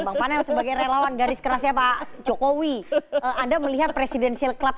bang panel sebagai relawan garis kerasnya pak jokowi anda melihat presidensial club